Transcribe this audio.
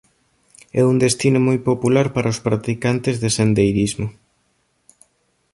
É un destino moi popular para os practicantes de sendeirismo.